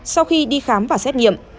sau khi đi khám và xét nghiệm